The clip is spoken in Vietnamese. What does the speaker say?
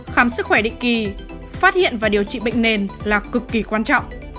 khám sức khỏe định kỳ phát hiện và điều trị bệnh nền là cực kỳ quan trọng